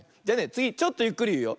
つぎちょっとゆっくりいうよ。